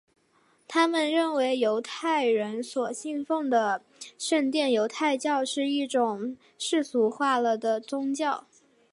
他们认为犹太人所信奉的圣殿犹太教是一种世俗化了的宗教。